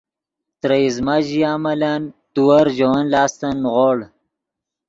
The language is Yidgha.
ترے ایزمہ ژیا ملن تیور ژے ون لاستن نیغوڑ